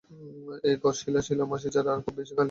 এই ঘর শিলা মাসি ছাড়া খুব খালি লাগছে।